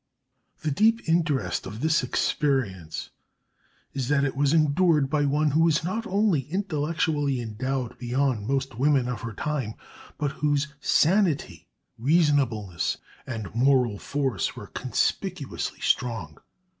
'" The deep interest of this experience is that it was endured by one who was not only intellectually endowed beyond most women of her time, but whose sanity, reasonableness, and moral force were conspicuously strong.